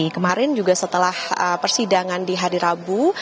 kemarin juga setelah persidangan di hadirabu